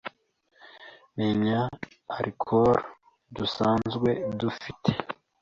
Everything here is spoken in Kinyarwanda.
menya alchool dusanzwe dufite